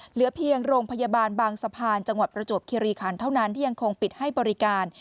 เหลือเพียงโรงพยาบาลบางสะพานจังหวัดประจวบคิริคันเท่านั้นที่ยังคงปิดให้บริการ